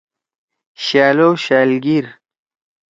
شأل او شألگیر: